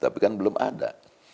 tapi kan belum ada